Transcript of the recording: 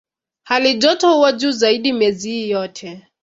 Halijoto huwa juu zaidi miezi hii yote.